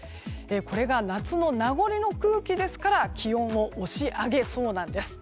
これが、夏の名残の空気ですから気温を押し上げそうなんです。